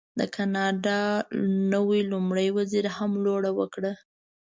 د کاناډا نوي لومړي وزیر هم لوړه وکړه.